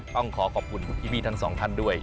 ต้องขอขอบคุณคุณพี่ทั้งสองท่านด้วย